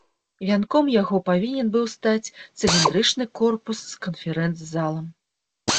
Вянком яго павінен быў стаць цыліндрычны корпус з канферэнц-залом.